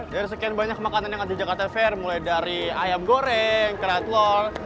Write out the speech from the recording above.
dari sekian banyak makanan yang ada di jakarta fair mulai dari ayam goreng kerat telur